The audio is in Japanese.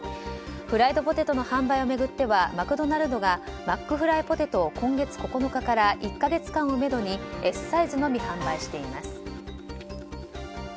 フライドポテトの販売を巡ってはマクドナルドがマックフライポテトを今月９日から１か月間をめどにＳサイズのみ販売しています。